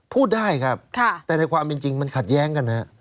พูดได้ครับแต่ในความจริงมันขัดแย้งกันนะ